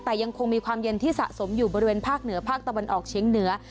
แต่ยังคงมีความเย็นที่สะสมอยู่บริเวณภาคเหนือภาคตะวันออกเชียงเหนือ